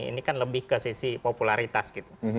ini kan lebih ke sisi popularitas gitu